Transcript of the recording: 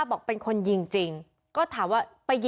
พวกมันต้องกินกันพี่